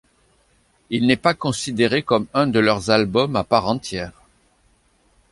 Il n'est pas considéré comme un de leurs albums à part entière.